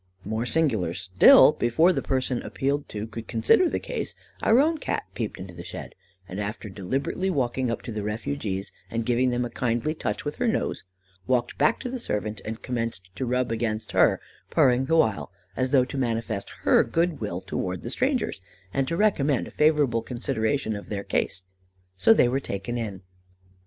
"More singular still, before the person appealed to could consider the case, our own Cat peeped into the shed, and after deliberately walking up to the refugees, and giving them a kindly touch with her nose, walked back to the servant and commenced to rub against her, purring the while, as though to manifest her goodwill towards the strangers, and to recommend a favourable consideration of their case, so they were taken in.